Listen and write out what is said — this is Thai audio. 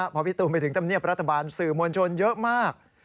พอพี่ตูนไปถึงธรรมเนียบรัฐบาลสื่อมวลชนเยอะมาก